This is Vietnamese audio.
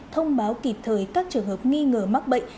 thông báo kịp thời các trường hợp nghi ngờ mắc bệnh